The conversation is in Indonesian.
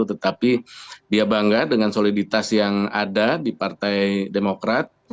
tetapi dia bangga dengan soliditas yang ada di partai demokrat